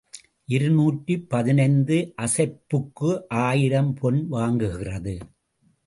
இருநூற்று பதினைந்து அசைப்புக்கு ஆயிரம் பொன் வாங்குகிறது.